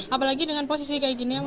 apalagi dengan posisi kayak gini